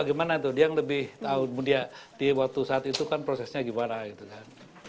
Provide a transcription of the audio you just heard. gimana tuh dia yang lebih tahu dia di waktu saat itu kan prosesnya gimana gitu kan